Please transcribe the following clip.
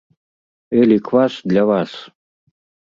Эль і квас для вас!